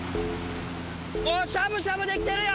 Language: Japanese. もうしゃぶしゃぶできてるよ